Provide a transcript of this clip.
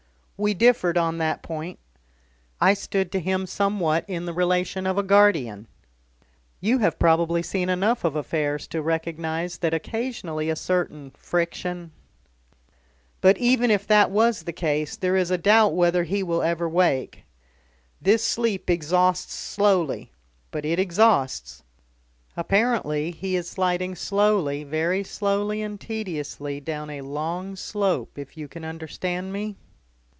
"We differed on that point. I stood to him somewhat in the relation of a guardian. You have probably seen enough of affairs to recognise that occasionally a certain friction . But even if that was the case, there is a doubt whether he will ever wake. This sleep exhausts slowly, but it exhausts. Apparently he is sliding slowly, very slowly and tediously, down a long slope, if you can understand me?"